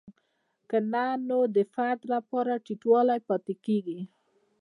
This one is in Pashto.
که نه نو د فرد لپاره ټیټوالی پاتې کیږي.